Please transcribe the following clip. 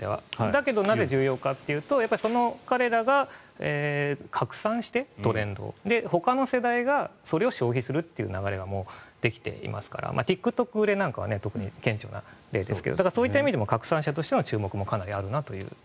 だけど、なぜ重要かというとやっぱり彼らがトレンドを拡散してほかの世代がそれを消費するという流れができていますからＴｉｋＴｏｋ売れなんかは特に顕著な例ですがそういった意味でも拡散者としても注目はかなりあると。